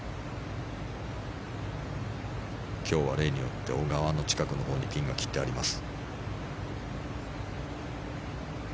今日は例によって小川の近くのほうにピンが切ってあります。